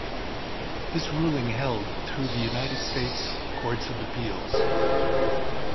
This ruling held through the United States courts of appeals.